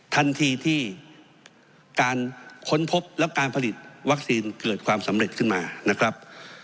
ทันทีที่การค้นพบแล้วการผลิตวัคซีนเกิดความสำเร็จขึ้นมานะครับ